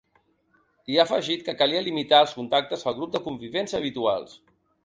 I ha afegit que calia limitar els contactes al grup de convivents habituals.